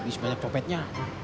ini sebanyak copetnya